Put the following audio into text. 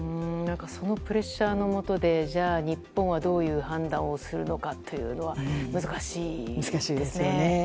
そのプレッシャーのもとでじゃあ日本はどういう判断をするのかというのは難しいですね。